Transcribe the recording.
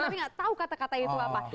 tapi gak tau kata kata itu apa